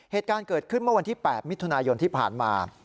เหตุการณ์เกิดขึ้นเมื่อวันที่๘มิถุนายนที่ผ่านมา